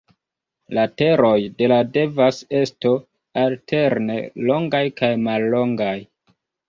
Lateroj de la devas esto alterne longaj kaj mallongaj.